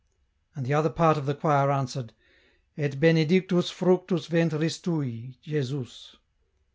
And the other part of the choir answered :" Et benedictus fructus ventris tui, Jesus."